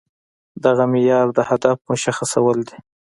دغه معيار د هدف مشخصول دي.